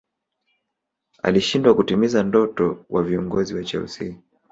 alishindwa kutimiza ndoto wa viongozi wa chelsea